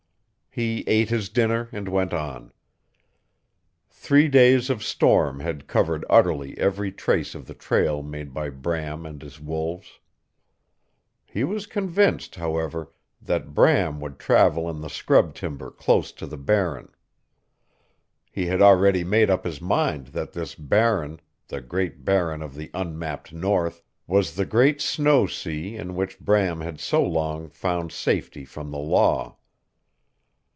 He ate his dinner, and went on. Three days of storm had covered utterly every trace of the trail made by Bram and his wolves. He was convinced, however, that Bram would travel in the scrub timber close to the Barren. He had already made up his mind that this Barren the Great Barren of the unmapped north was the great snow sea in which Bram had so long found safety from the law.